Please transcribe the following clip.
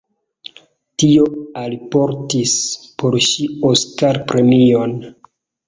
Tio alportis por ŝi Oscar-premion.